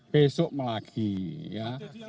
besok lagi ya